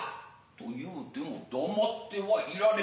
と言ふても黙つては居られん。